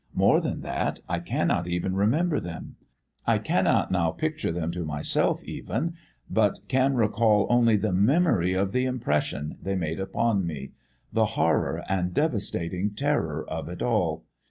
More than that, I cannot even remember them. I cannot now picture them to myself even, but can recall only the memory of the impression they made upon me, the horror and devastating terror of it all.